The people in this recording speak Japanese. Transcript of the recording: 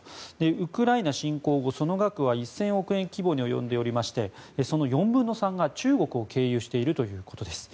ウクライナ侵攻後その額は１０００億円規模に及んでおりましてその４分の３が中国を経由しているということです。